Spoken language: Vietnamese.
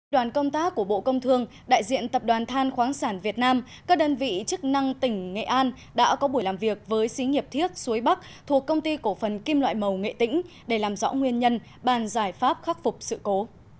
đoàn công tác của bộ công thương đại diện tập đoàn than khoáng sản việt nam các đơn vị chức năng tỉnh nghệ an đã có buổi làm việc với xí nghiệp thiết suối bắc thuộc công ty cổ phần kim loại màu nghệ tĩnh để làm rõ nguyên nhân bàn giải pháp khắc phục sự cố